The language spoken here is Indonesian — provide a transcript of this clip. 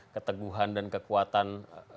keteguhan dan kekuatan